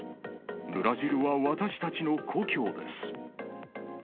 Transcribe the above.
ブラジルは私たちの故郷です。